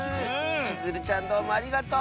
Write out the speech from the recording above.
ちづるちゃんどうもありがとう！